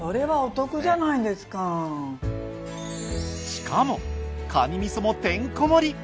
しかもかにみそもてんこ盛り。